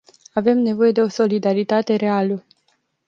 Avem nevoie de o solidaritate reală...